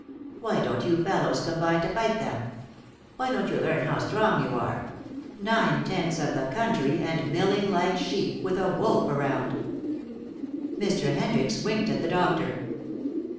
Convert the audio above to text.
Why don't you fellows combine to fight them? Why don't you learn how strong you are? Nine tenths of the country, and milling like sheep with a wolf around!" Mr. Hendricks winked at the doctor.